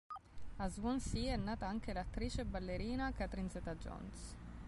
A Swansea è nata anche l'attrice e ballerina Catherine Zeta Jones.